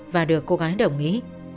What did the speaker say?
và được cô gái đồng ý